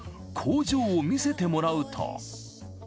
工場を見せてもらうと。